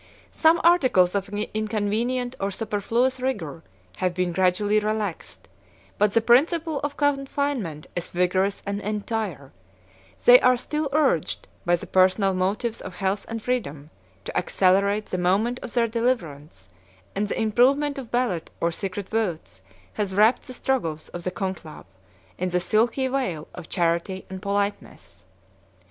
Some articles of inconvenient or superfluous rigor have been gradually relaxed, but the principle of confinement is vigorous and entire: they are still urged, by the personal motives of health and freedom, to accelerate the moment of their deliverance; and the improvement of ballot or secret votes has wrapped the struggles of the conclave 71 in the silky veil of charity and politeness.